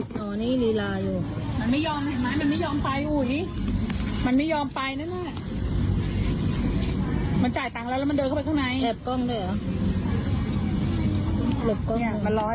อ๋อรถด้วยเอารถมาด้วยรถด้วย